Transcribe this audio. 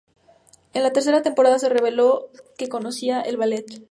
En la tercera temporada se reveló que conocía el ballet.